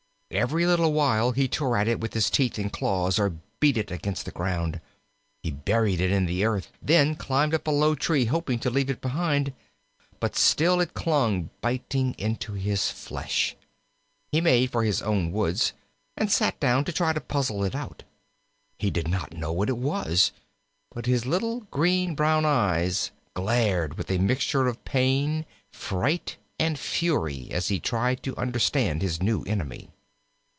Every little while he tore at it with his teeth and claws, or beat it against the ground. He buried it in the earth, then climbed a low tree, hoping to leave it behind; but still it clung, biting into his flesh. He made for his own woods, and sat down to try to puzzle it out. He did not know what it was, but his little green brown eyes glared with a mixture of pain, fright, and fury as he tried to understand his new enemy.